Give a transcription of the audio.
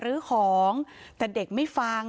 พนักงานในร้าน